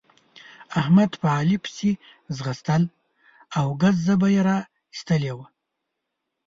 احمد په علي پسې ځغستل او ګز ژبه يې را اېستلې وه.